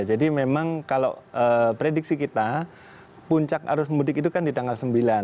jadi memang kalau prediksi kita puncak arus mudik itu kan di tanggal sembilan